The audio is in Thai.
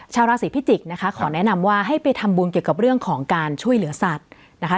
ชาวราศีพิจิกษ์นะคะขอแนะนำว่าให้ไปทำบุญเกี่ยวกับเรื่องของการช่วยเหลือสัตว์นะคะ